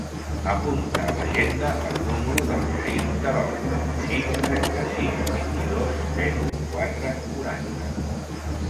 Apunta a l'agenda el número del Jair Terol: sis, trenta-sis, vint-i-dos, zero, quatre, quaranta.